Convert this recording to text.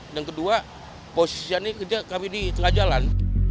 dan kedua posisi kami di tengah jalan